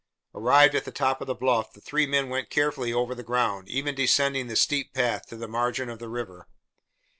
Arrived at the top of the bluff the three men went carefully over the ground, even descending the steep path to the margin of the river.